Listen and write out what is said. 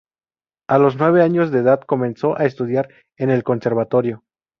A los nueve años de edad comenzó a estudiar en el conservatorio.